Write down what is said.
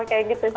oke gitu sih